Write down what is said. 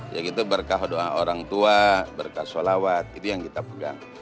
ya gitu berkah doa orang tua berkah sholawat itu yang kita pegang